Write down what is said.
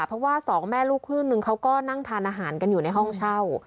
เพราะว่าสองแม่ลูกครึ่งหนึ่งเขาก็นั่งทานอาหารกันอยู่ในห้องเช่า